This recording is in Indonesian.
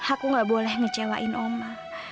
aku gak boleh ngecewain oma